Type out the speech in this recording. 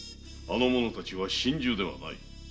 あの者たちは心中ではない。